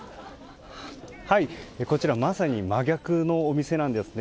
こちらまさに真逆のお店なんですね。